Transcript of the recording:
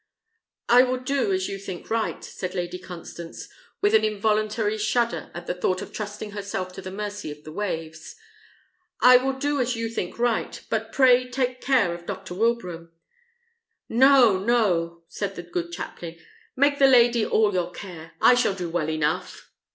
"I will do as you think right," said Lady Constance, with an involuntary shudder at the thought of trusting herself to the mercy of the waves. "I will do as you think right; but pray take care of Dr. Wilbraham." "No, no!" said the good chaplain; "make the lady all your care. I shall do well enough."